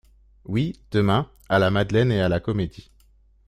Oui, demain, à la Madeleine et à la Comédie.